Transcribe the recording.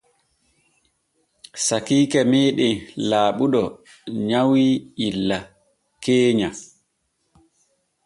Sakiike meeɗen Laaɓuɗo nyawi illa keenya.